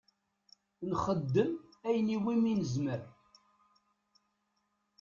Nxeddem ayen iwimi nezmer.